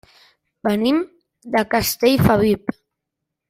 Venim de Castellfabib.